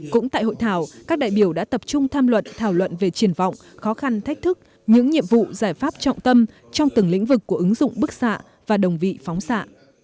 cũng tại hội thảo các đại biểu đã tập trung tham luận thảo luận về triển vọng khó khăn thách thức những nhiệm vụ giải pháp trọng tâm trong từng lĩnh vực của ứng dụng bức xạ và đồng vị phóng xạ